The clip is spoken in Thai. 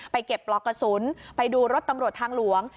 เก็บปลอกกระสุนไปดูรถตำรวจทางหลวง